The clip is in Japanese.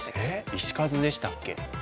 石数でしたっけ？